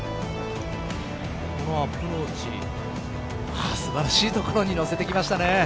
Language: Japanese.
このアプローチ素晴らしい所にのせてきましたね。